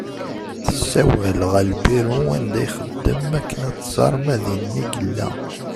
Tessawal ɣer lbiru anda ixeddem akken ad tẓer ma dinna i yella.